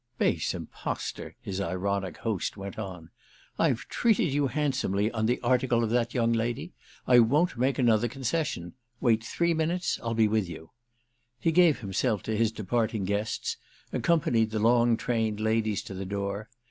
"Base impostor!" his ironic host went on. "I've treated you handsomely on the article of that young lady: I won't make another concession. Wait three minutes—I'll be with you." He gave himself to his departing guests, accompanied the long trained ladies to the door.